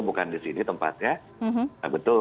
bukan di sini tempatnya betul